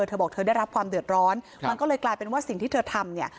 เธอบอกเธอได้รับความเดือดร้อนมันก็เลยกลายเป็นว่าสิ่งที่เธอทำเนี่ย